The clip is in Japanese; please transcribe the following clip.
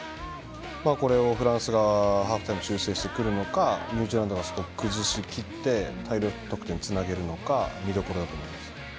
これをフランスがハーフタイムに修正してくるかニュージーランドがそこを崩しきって大量得点につなげるのかが見どころだと思います。